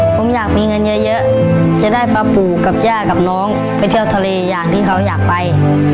ผมอยากมีเงินเยอะจะได้ป้าปู่กับย่ากับน้องไปเที่ยวทะเลอย่างที่เขาอยากไป